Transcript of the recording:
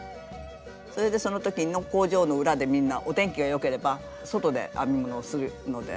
それでその時に工場の裏でみんなお天気が良ければ外で編み物をするので。